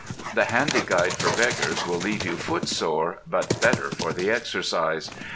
"The Handy Guide for Beggars" will leave you footsore but better for the exercise.